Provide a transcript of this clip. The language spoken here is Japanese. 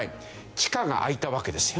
地下が空いたわけですよ。